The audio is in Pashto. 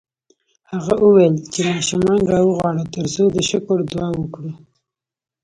هغه وویل چې ماشومان راوغواړه ترڅو د شکر دعا وکړو